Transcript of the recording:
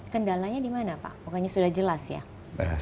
kendalanya dimana pak pokoknya sudah jelas ya